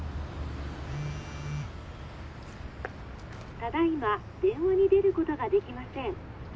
「ただいま電話に出ることができません」。